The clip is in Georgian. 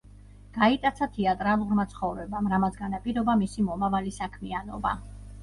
გაიტაცა თეატრალურმა ცხოვრებამ, რამაც განაპირობა მისი მომავალი საქმიანობა.